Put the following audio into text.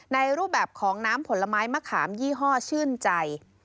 รูปแบบของน้ำผลไม้มะขามยี่ห้อชื่นใจ